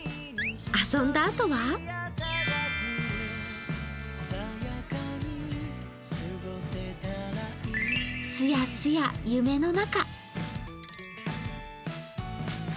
遊んだあとはすやすや、夢の中。